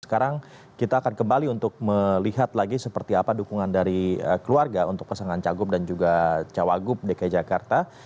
sekarang kita akan kembali untuk melihat lagi seperti apa dukungan dari keluarga untuk pasangan cagup dan juga cawagup dki jakarta